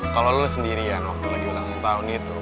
kalau lo sendirian waktu lagi ulang tahun itu